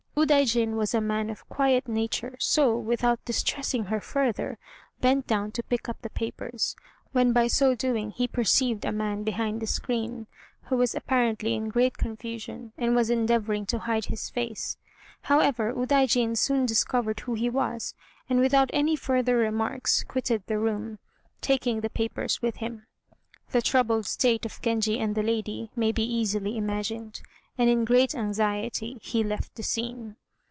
Udaijin was a man of quiet nature; so, without distressing her further, bent down to pick up the papers, when by so doing he perceived a man behind the screen, who was apparently in great confusion and was endeavoring to hide his face. However, Udaijin soon discovered who he was, and without any further remarks quitted the room, taking the papers with him. The troubled state of Genji and the lady may be easily imagined, and in great anxiety he left the scene.